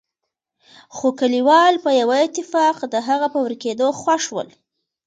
خو کليوال په يوه اتفاق د هغه په ورکېدو خوښ ول.